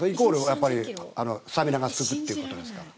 スタミナがつくということですから。